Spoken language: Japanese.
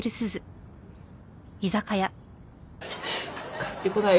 帰ってこないよ。